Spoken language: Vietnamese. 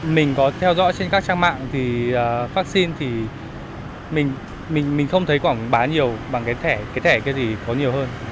mình có theo dõi trên các trang mạng thì vaccine thì mình không thấy quảng bá nhiều bằng cái thẻ cái thẻ cái gì có nhiều hơn